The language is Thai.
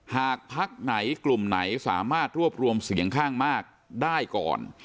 หากพักไหนกลุ่มไหนสามารถรวบรวมเสียงข้างมากได้ก่อน